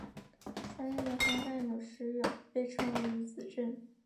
相应的方阵有时被称为余子阵。